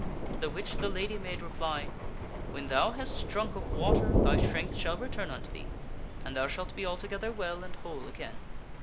'' To the which the lady made reply, " When thou hast drunk of water thy strength shall return unto thee, and thou shalt be altogether well and whole again."